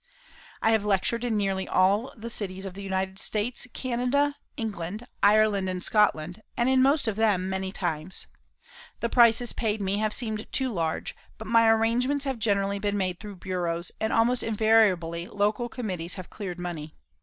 I have lectured in nearly all the cities of the United States, Canada, England, Ireland and Scotland, and in most of them many times. The prices paid me have seemed too large, but my arrangements have generally been made through bureaus, and almost invariably local committees have cleared money.